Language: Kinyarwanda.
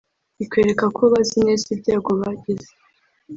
bikwereka ko bazi neza ibyago bagize